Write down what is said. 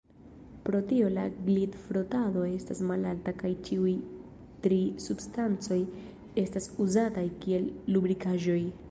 Pro tio la glitfrotado estas malalta kaj ĉiuj tri substancoj estas uzataj kiel lubrikaĵoj.